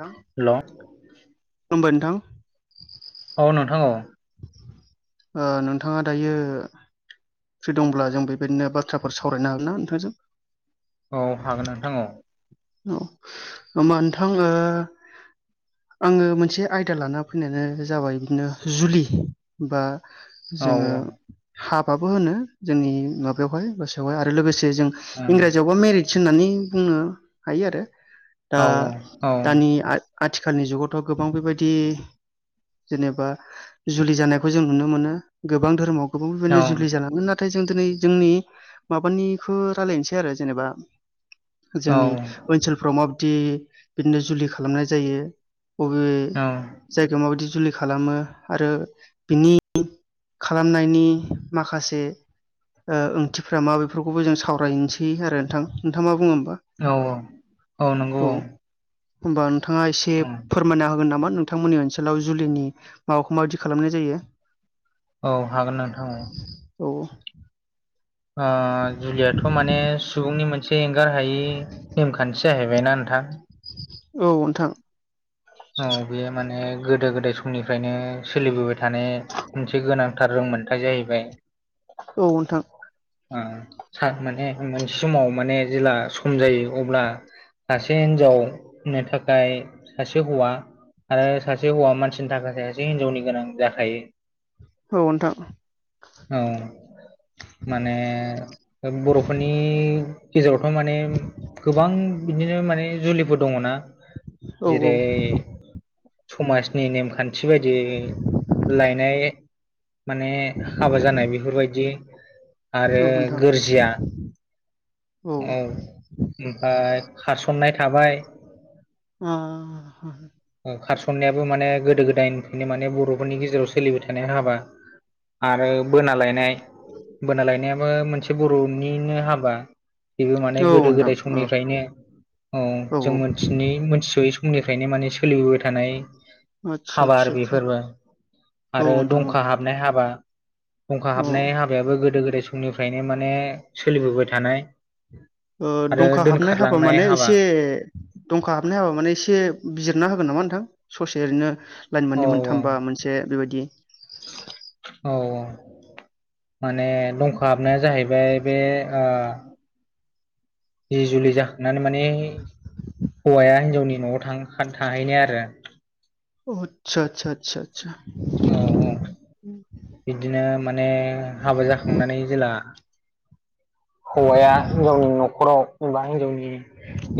नोंथां हेल' औ खलुमबाय नोंथां, औ नोंथां औ । ओ नोंथाङा दायो फ्रि दंब्ला जों बेबायदिनो बाथ्राफोर सावरायनो हागोन ना नोंथांजों? औ हागोन नोंथां औ औ होमबा नोंथां ओ आङो मोनसे आयदा लाना फैनायानो जाबाय बिदिनो जुलि बा औ जोङो हाबाबो होनो जोंनि माबायावहाय गोसोआवहाय आरो लोगोसे से जों औ इंराजियावबा म्यारिज होननानै बुंनो हायो आरो । औ दा औ दानि आ आथिखालनि जुगावथ' गोबां बेबायदि जेनेबा जुलि जानायखौ जों नुनो मोनो गोबां धोरोमाव गोबाव बेबायदिनो जुलि जानानै नाथाय जों दिनै जोंनि माबानिखौ रायलायनोसै आरो जेनेबा औ जोंनि ओनसोलफ्राव माबाददि बिदिनो जुलि खालामनाय जायो । बबे औ जायगायाव माबायदि जुलि खालामो आरो बिनि खालामनायनि माखासे ओ ओंथिफ्रा मा बेफोरखौबो जों सावरायनोसै आरो नोंथां नोंथाङ मा बुङो होमबा? औ औ औ नंगौ औ होमबा नोंथाङा एसे औ फोरमायना होगोन नामा? नोंथांमोननि ओनसोलाव जुलिनि माबाखौ माबायदि खालामनाय जायो औ हागोन नोंथां औ । औ' ओ जुलियाथ' माने सुबुंनि मोनसे एंगार हायि नेमखान्थि जाहैबायना नों औ नोंथां औ बेयो माने गोदो गोदाय समनिफ्रायनो सोलिबोबाय थानाय मोनसे गोनांथार रों मोनथाय जाहैबाय । औ नोंथां ओं सार माने मोनसे समाव माने जेब्ला सम' जायो अब्ला सासे हिनजाव होननो थाखाय सासे सासे हौवा आरो सासे हौवा मानसिनि थाखाय सासे हिनजावनि गोनां जाखायो। औ नोंथां औ माने बर'फोरनि गेजेरावथ माने गोबां बिदिनो माने जुलिफोर दङना औ औ जेरै समाजनि नेमखान्थि बायदि लायनाय माने हाबा जानाय बेफोरबायदि आरो नोंथां गोरजिया औ ओमफ्राय खारस ननाय थाबाय उम ओ खारसननायाबो माने गोदो गोदायनिफ्रायनो माने बरफोरनि गेजेराव सोलिबाय थानाय हाबा आरो बोनालायनाय बोनालायनायाबो मोनसे बर'निनो हाबा बेबो माने औ गोदो नोंथां गोदाय औ समनिफ्रायनो औ जों मिथिनि मोनथिसयै सम मनिफ्रायनो माने सोलिबोबाय थानाय आदसा हाबा आरो आदसा आदसा बेफोरबो औ आरो नोंथां औ दंखा हाबनाय हाबा फुंखा औ हाबनाय हाबायाबो गोदो गोदाय समनिफ्रायनो माने सोलिबोबाय थानाय ओ आरो दंखा हाबनाय हाबा दोनखारलांनाय माने इसे दंखा हाबनाय हाबा माने एसे बिजिर ना होगोन नामा नोंथां ससे ओरैनो लाइन औ मोननै मोनथामबा मोनसे बेबायदि औ माने दंखा हाबनाया जाहैबाय बे ओ जि जुलि जाहांनानै माने हौवाया हिनजावनि नआव थां खान थाहैनाय आरो अतसा सा सा सा औ औ बिदिनो माने हाबा जाखांनानै जेला हौवाया हिनजावनि न'खराव एबा हिनजावनि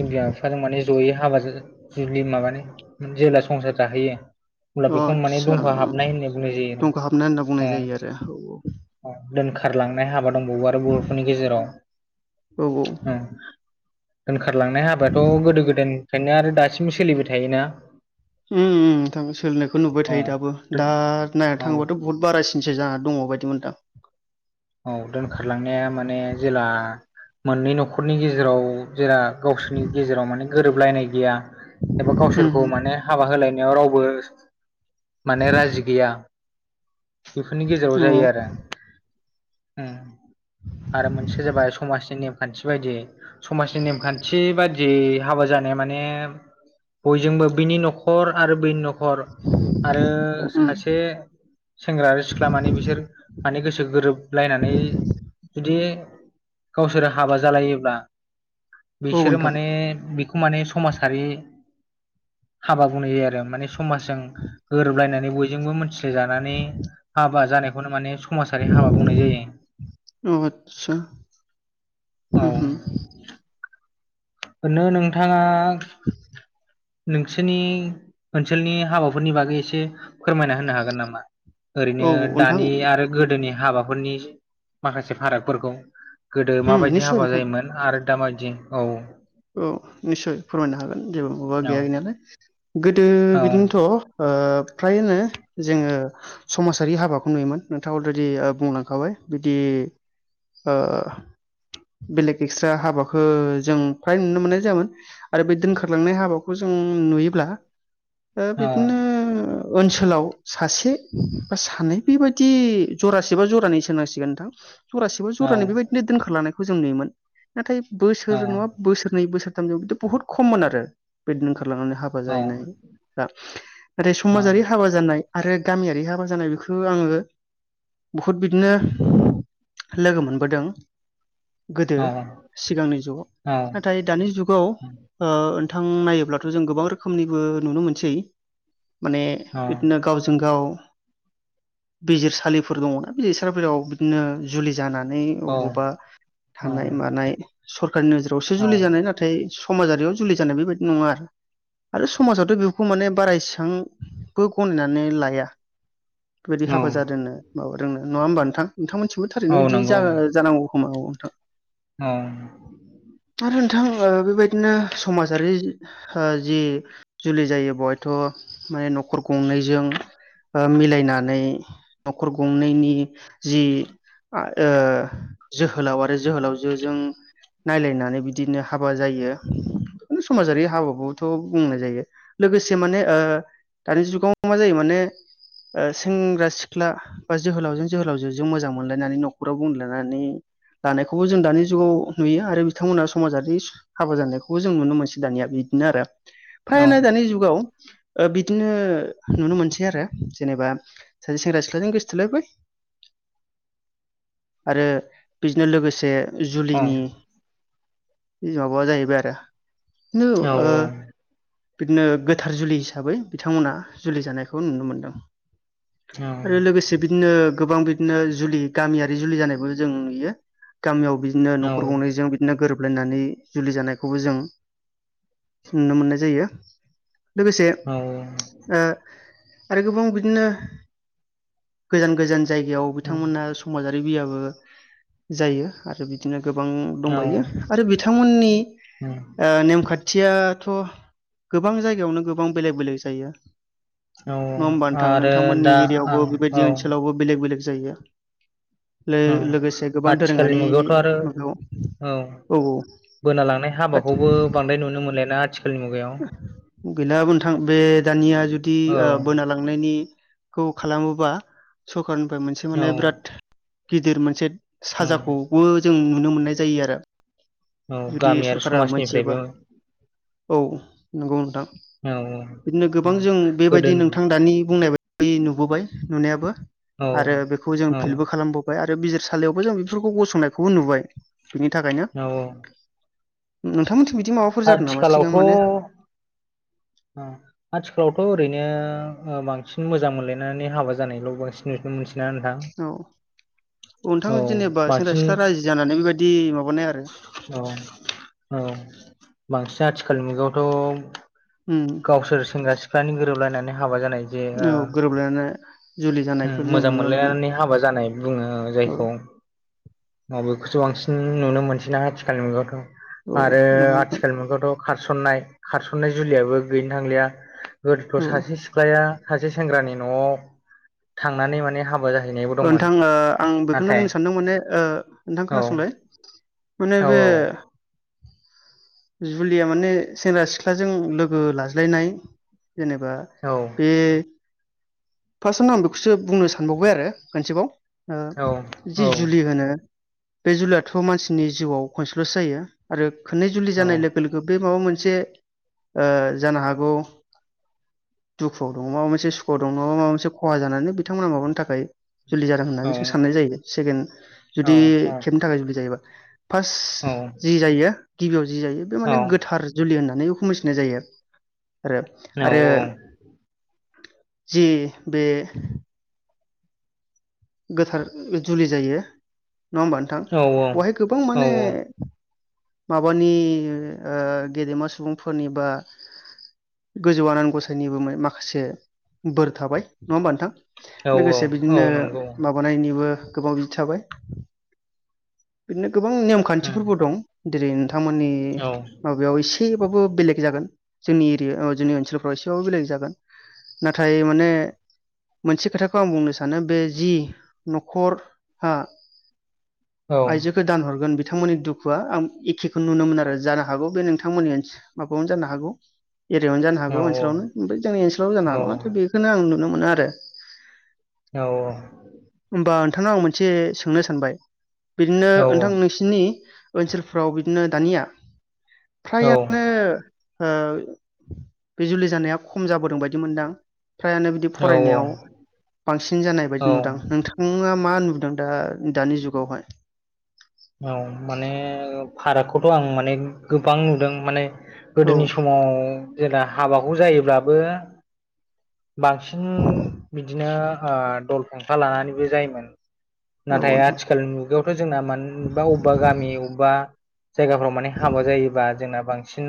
बिमा-बिफाजों माने जयै हाबा ज माबानो जेला संसार जाहैयो। अब्ला बेखौनो माने आतसा दंखा हाबनाय होनना बुंनाय जायो जंखा हाबना होनना बुंनाय औ जायो आरो औ औ दोनखारलांनाय हाबा दंबावो आरो बर'फोरनि गेजेराव औ ओं दोनखारलांनाय हाबायाथ गोदो गोदायनिफ्रायायनो आरो दासिमबो सोलिबाय थायोना उम उम दाबो सो सोलिनायखौ नुबाय थायो। दाबो दा नायनो औ औ थाङोबाथ बहुत बारासिनसो जानानै दङ बायदि मोनदां औ दोनखारलांनाया माने जेला मोननै न'खरनि गेजेराव जेला गावसोरनि गेजेराव माने गोरोबलायनाय गैया एबा उम गावसोरखौ माने हाबा होलायनायाव रावबो माने राजि गैया बेफोरनि गेजेराव उम जायो अ आरो आरो मोनसे जाबाय समाजनि नेमखान्थि बायदियै समाजनि नेमखान्थि बायदियै हाबा जाना नाय माने बयजोंबो बिनि न'खर आरो बेनि न' खर आरो उम सासे सेंग्रा आरो सिख्ला माने बिसोर माने गोसो गोरो लायनानै जुदि गावसोरो हाबा जालायोब्ला औ बिसोरो नोंथां माने बेखौ माने समाजारि हाबा बुंनाय जायो आरो माने समाजजों गोरोबलायना नै बयजोंबो मिनथिस्लायजानानै हाबा जानायखौनो माने समाजारि हाबा औ बुंनाय आदसा जायो उम उम औ ओरैनो नोंथाङा नोंसोरनि ओनसोलनि हाबाफोरनि बागै एसे फोरमायना होनो हागोन नामा? ओरैनो औ नोंथां दानि आरो गोदोनि हाबाफोरनि माखासे फारागफोरखौ गोदो उम माबायदि निस्सय हाबा नोंथां जायोमोन आरो दा माबायदि औ औ निस्सय फोरमायनो हागोन जेबो मबा औ गैया गैनायालाय गोदो औ बिदिनोथ ओ फ्रायनो जोङो समाजारि हाबाखौ नुयोमोन नोंथाङा अलरेडि बुंलांखाबाय बिदि बे ओ बेलेग एक्सट्रा हाबाखौ जों फ्राय नुनो मोननाय जायामोन आरो बे दोनखारलांनाय हाबाखौ जों नुयोब्ला। ओ बिदिनो ओनसोलाव सासे बा सानै बेबायदि जरासे बा जरानै सोनांसिगोन नोंथां जरासे बा औ जरानै बेबायदिनो दोनखारलानायखौ जों नुयोमोन नाथाय बोसोर नङा बोसोरनै बोसोरथामजौ बिथ' बहुद खममोन आरो बेदनो खारलांनानै हाबा औ जाहैनाय दा नाथाय औ समाजारि हाबा जानाय आरो गामियारि हाबा जानाय बेख्रो आङो बहुद बिदिनो लोगो मोनबोदों गोदो औ सिगांनि जुगाव औ नाथाय दानि जुगाव ओ थां नायोब्लाथ' जों गोबां रोखोमनिबो नुनो मोनसै माने बिदिनो गावजों गाव बिजिरसालिफोर दङदा बिजिर सारफोराव बिदिनो जुलि जानानै अबावबा औ थानाय मानाय सरखारनि नोजोरावसो औ जुलि जानाय नाथाय समाजारियाव जुलि जानाय बेबायदि नङा आरो आरो समाजावथ' बेखौ माने बारा एसांबो गनायनानै लाया फोबायदि हाबा जादोनो माबादोंनो नङा होमबा नोंथां नोंथांमोनथिंबो औ थारैनो बिदि जा जानांगौ खोमा औ नोंथां अं आरो नोंथां ओ बेबायदिनो समाजारि हो जि जुलि जायो बहायथ' अ माने न'खर गंनैजों ओ मिलायनानै न'खर गंनैनि जि आ ओ जोहोलाव आरो जोहोलावजोजों नायलायनानै बिदिनो हाबा जायो उसमाजारि हाबाखौथ' बुंनाय जायो लोगोसे माने ओ दानि जुगाव मा जायो माने ओ सेंग्रा सिख्ला बा जोहोलावजों जोहोलावजोजों मोजां मोनलायनानै न'खराव बुंलायनानै दानायखौबो जों दानि जुगाव नुयो आरो बिथांमोना समाजारि सु हाबा जानायखौबो जों नुनो मोनसै दानिया बिदिनो आरो औ फायेना दानि जुगाव ओ बिदिनो नुनो मोनसै आरो जेनेबा ससे सेंग्रा सिख्लाजों गोसथोलायबाय आरो बिजोनो लोगोसे औ जुलिनि इमाबा जाहैबाय आरो नौ ओ बिदिनो गोथार जुलि हिसाबै बिथांमोनहा जुलि जानायखौ नुनो मोनदों आरो लोगोसे बिदिनो गोबां बिदिनो जुलि गामियारि जुलि जानायबो जों नुयो गामियाव बिदिनो न'खर गंनै गोरोबलायनानै जुलि जानायखौबो जों नुनो मोननाय जायो लोगोसे औ ओ आरो गोबां बिदिनो गोजान गोजान जायगायाव औ बिथांमोना समाजा बिबियाबो जायो आरो बिदिनो गोबां औ दंबायो उम आरो बिथांमोननि ओ नेमखा- थियाथ' गोबां जायगायावनो गोबां बेलेक बेलेक जायो औ नङा होमबा नोंथां आरो नोंथांमोननि दा एरियायावबो आं बेबायदि औ ओनसोलावबो बेलेक बेले जायो औ लो-लोगोसे गोबां आथिखालनि मुगायावथ' आरो दोरोङारिफोरखौ औ बोनालांनाय औ हाबाखौबो बांद्राय नुनो मोनलायला आथिखालनि मुगायाव गैलाबो नोथां बे दानिया जुदि औ ओ बोना लांनायनि खौ खालामोबा सरखारारनिफ्राय मोनसे औ माने बिराद गिदिर मोनसे साजाखौबो जों नुनो मोननाय जायो आरो औ जुदि गामियारि सरखारा मोनथियोबा समाजनिफ्रायबो औ नंगौ नोंथां औ औ बिदिनो गोबां उम जों गोदो बेबायदि नोंथां दानि बुंनाय बा- यै नुबोबाय नुनायाबो औ आरो बेखौ जों फिलबो औ खालामबोबाय आरो बिजिर सा- खालियावबो जों बेफोरखौ गसंनायखौबो नुबाय बिनि थाखायनो औ नो नोंथां। बिदि माबाफोर जादों नामा सिगां माने- अह आथिखालावथ' ओरैनो ओ बांसिन मोजां मोनलायनानै हाबा जानायल' बांसिन नुनो मोनसै- ना नोंथां। अह नोंथां औ जेनेबा सेंग्रा बांसिन सिख्ला राजि जानानै बेबायदि माबानाय आरो- औ औ बांसिन आथिखाल मुगायावथ'- उम गावसोर सेंग्रा सिख्लाानि गोरोबलायनानै हाबा जानाय। जे औ गोरोबलायना जुलि ओ-ओं जानायफोर जों मोजां नुनो मोनो मोनलायनानै हाबा जानाय। बुङो ओ औ जायखौ मबेखौसो बांसिन नुनो मोनसिना आथिखालनि मुगायावथ'- औ आरो नंगौ नोंथां आथिखाल मुगायावथ' खारसननाय खारसन्नाय जुलियाबो गैनो थांलिया- औ गोदोथ' सासे सिख्लाया सासे सेंग्रानि न'आव थांनानै माने हाबा- जाहैनायबो ओ दंमोन नोंथां ओ आं बेखौनो नाथाय बुंनो सानदों माने ओ नोंथां औ खोनासंलाय- उनाव औ बे- जुलिया माने सेंग्रा सिख्लाजों लोगो लाज्लायनाय- जेनेबा औ बे फार्स्टआवनो आं बेखौसो बुंनो सानबावबाय आरो- खनसेबाव औ ओ जि औ जुलि होनो- बे जुलियाथ' मानसिनि जिउआव खनसेल'सो जायो आरो खननै जुलि औ जानाय लोगो-लोगो बे माबा मोनसे से ओ जानो हागौ। दुखुआव दङ' माबा मोनसे सुखुआव दं नङा माबा मोनसे खहा जानानै बिथांमोनहा माबानि थाखाय- जुलि जादों औ होननानैसो साननाय जायो सेकेण्ड जुदि खेबनि थाखाय जुलि जायोबा- फार्स्ट औ जि जायो गिबियाव जि जायो बे माने औ गोथार जुलि होननानै- नै खुमासिनाय जायो औ औ आरो-आरो- जि बे- गोथार ओ जुलि जायो। नङा होमबा नोंथां औ बहाय गोबां औ माने- माबानि ओ-ओ गेदेमा सुबुंफोरनि बा- गोजौ आनान गसाइनिबो मो माखासे बोर थाबाय नङा होमबा नोंथां। औ लोगोसे औ बिदिनो- नंगौ गनायनिबो गोबां बिदि थाबाय बिदिनो- गोबां नेम उम खान्थिफोरबो दं जेरै नोंथांमोननि औ माबायाव एसे एसेबाबो बेलेग जागोन जोंनि एरिया अह जोंनि ओनसोलफ्राव एसेबाबो बेलेग जागोन- नाथाय माने मोनसे खोथाखौ आं बुंनो सानो बे जि- न'खर आ औ आइजोखौ दानहरगोन बि- थांमोननि दुखुआ आं एखेखौ नुनो मोनो आरो जानो हागौ बे नोंथांमोननि ओनसो माबायावनो जानो हागौ। एरियायावनो जानो औ हागौ ओनसोलावनो ओमफ्राय जोंनि ओनसोलावबो औ जानो हागौ नाथाय बेखौनो आं नुनो मोनो आरो- होमबा नोंथांनाव आं मोनसे सोंनो सानबाय बिदिनो नोंथां नोंसिनि- ओनसोलफ्राव बिदिनो दानिया फ्रायानो- ओ बे जुलि जानाया खम जाबोदों बायदि मोनदां- फ्रायानो बिदि औ फरायनायाव बांसिन जानाय बायदि औ नुदां। नोङा मा नुदों दा दानि जुगावहाय औ माने फारागखौथ' आं माने गोबां नुदों माने- औ गोदोनि समाव जेब्ला हाबाखौ जायोब्लाबो- बांसिन बिदिनो ओ दल फंखा लानानैबो जायोमोन। औ नाथाय नोंथां आथिखालनि मुगायावथ' जोंना मानेबा अबेबा-अबेबा गामि बबेबा। जायगाफ्राव माने हाबा जायोबा जोंना बांसि- सिन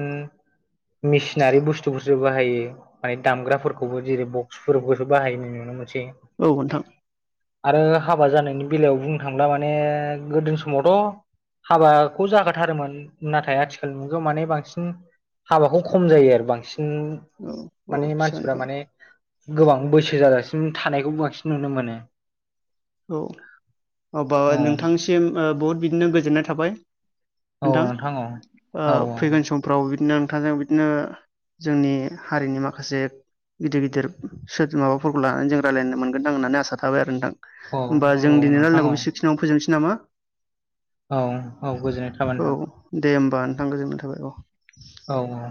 मिसिनारि बुस्थुफोरसो बाहायो माने दामग्राफोरखौ खौबो जेरै बक्सफोरखौसो बाहायनाय नुनो मोनो- औ नोंथां। आरो हाबा जानायनि बेलायाव बुंनो थांब्ला माने गोदोनि समावथ'- हाबाखौ जाखाथारोमोन नाथाय आथिखाल नंगौ माने बांसिन हाबाखौ खम जायो आरो बांसिन औ औ माने आदसा मानसि नोंथां माने गोबां बैसो जाजासिम थानायखौबो बांसिन नुनो मोनो औ अबा नोंथांसिम ओ बहुद बिदिनो गोजोननाय थाबाय औ नोंथां औ औ फैगोन समफ्राव बिदिनो थां जों बिदिनो जोंनि हारिनि माखासे गिदिर गिदिर सोर माबाफोरखौ लानानै जों रायलायनो मोनगोनदां होननानै आसा थाबाय आरो नोंथां । औ ओमबा औ जों औ दिनै नोंथां रायलायनायखौ औ बेसिखिनिआवनो फोजोबनोसै नामा? औ औ गोजोननाय थाबाय औ नोंथां दे होमबा नोंथां गोजोननाय थाबाय अ औ अ